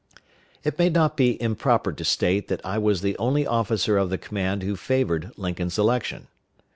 It may not be improper to state that I was the only officer of the command who favored Lincoln's election.